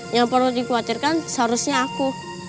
yang perlu dikhawatirkan seharusnya aku